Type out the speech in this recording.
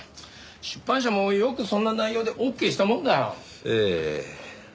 出版社もよくそんな内容でオッケーしたもんだよ。